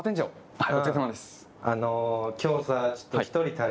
はい。